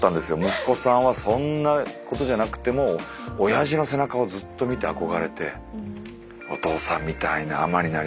息子さんはそんなことじゃなくてもおやじの背中をずっと見て憧れてお父さんみたいな海人になりたいって。